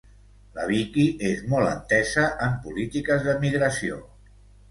La Vicky és molt entesa en polítiques de migració.